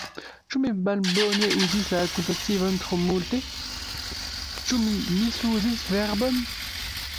Ĉu mi malbone uzis la akuzativon tro multe, Ĉu mi misuzis verbon?